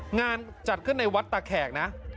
งานจัดขึ้นในวัดตาแขกนะ